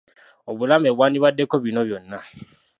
Obulambe bwandibaddeko bino byonna.